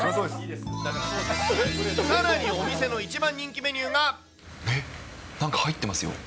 さらに、お店の一番人気メニえっ、なんか入ってますよ。